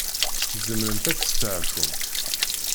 Tzemremt ad testeɛfumt.